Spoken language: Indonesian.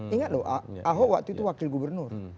ingat loh ahok waktu itu wakil gubernur